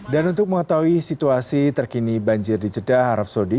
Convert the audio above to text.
dan untuk mengetahui situasi terkini banjir di jedah arab saudi